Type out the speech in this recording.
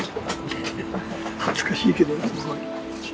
恥ずかしいけどすごい。